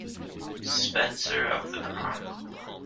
Spencer of the Chronicle.